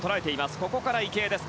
ここから池江です。